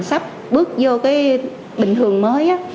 sắp bước vô cái bình thường mới